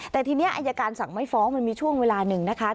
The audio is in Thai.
แต่ทีนี้อายการสั่งไม่ฟ้องมันมีช่วงเวลาหนึ่งนะคะ